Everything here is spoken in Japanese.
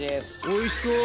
おいしそう！